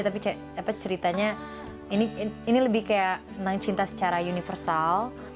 tapi ceritanya ini lebih kayak tentang cinta secara universal